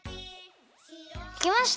できました！